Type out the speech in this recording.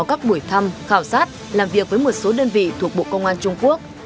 các buổi thăm khảo sát làm việc với một số đơn vị thuộc bộ công an trung quốc